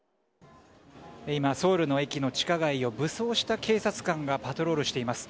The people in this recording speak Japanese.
今、ソウルの駅の地下街を武装した警察官がパトロールしています。